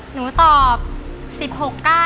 หนูว่ามากไป